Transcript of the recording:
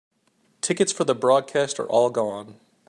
Tickets for the broadcast are all gone.